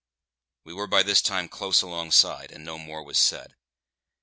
We were by this time close alongside, and no more was said.